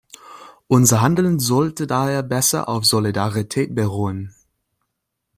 Unser Handeln sollte daher besser auf Solidarität beruhen.